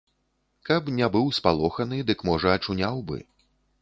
Каб не быў спалоханы, дык можа ачуняў бы.